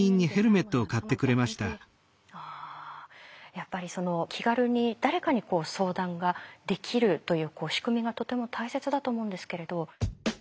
やっぱりその気軽に誰かに相談ができるという仕組みがとても大切だと思うんですけれど。